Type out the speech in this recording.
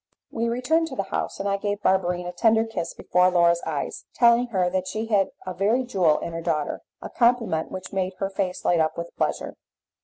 We returned to the house, and I gave Barberine a tender kiss before Laura's eyes, telling her that she had a very jewel in her daughter a compliment which made her face light up with pleasure.